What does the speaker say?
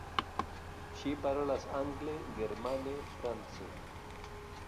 Ŝi parolas angle, germane, france.